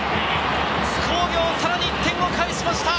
津工業、さらに１点を返しました！